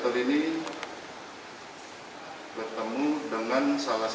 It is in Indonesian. ternyata diperoleh berdasarkan keterangan tiga orang saksi